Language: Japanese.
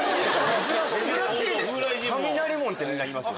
雷門ってみんな言いますよ。